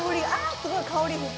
すごい香り復活